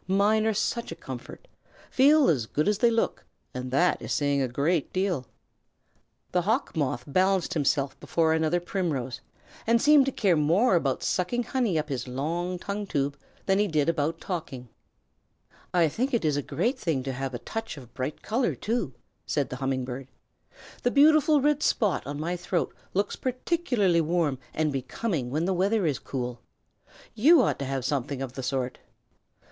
Mine are such a comfort. Feel as good as they look, and that is saying a great deal." The Hawk Moth balanced himself before another primrose and seemed to care more about sucking honey up his long tongue tube than he did about talking. [Illustration: THE HUMMING BIRD AND THE HAWK MOTH. Page 218] "I think it is a great thing to have a touch of bright color, too," said the Humming Bird. "The beautiful red spot on my throat looks particularly warm and becoming when the weather is cool. You ought to have something of the sort."